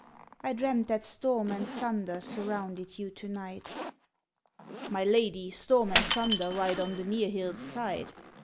' I dreamt that storm and thunder surrounded you to night.' He tries to ' My lady, storm and thunder ride on the near hill's draw her Side.